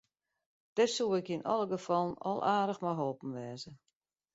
Dêr soe ik yn alle gefallen al aardich mei holpen wêze.